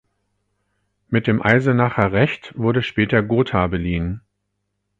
Mit dem Eisenacher Recht wurde später Gotha beliehen.